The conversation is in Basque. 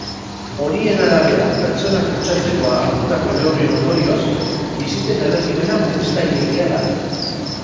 Horien arabera, pertsonak kutsatzeko hartutako neurrien ondorioz, bisiten erregimena murriztaileegia da.